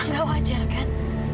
gak wajar kan